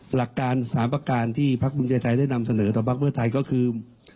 หลักการ๓ประการที่พักภูมิใจไทยได้นำเสนอต่อพักเพื่อไทยก็คือ